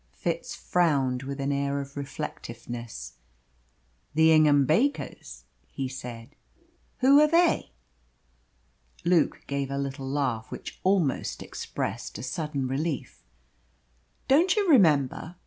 Fitz frowned with an air of reflectiveness. "The Ingham Bakers," he said. "Who are they?" Luke gave a little laugh which almost expressed a sudden relief. "Don't you remember?"